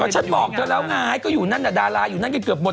ก็ฉันบอกเนี่ยแล้วไงก็อยู่นั่นน่ะดารายังเกือบหมด